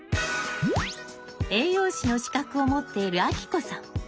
栄養士の資格を持っているあきこさん。